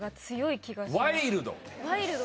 ワイルド？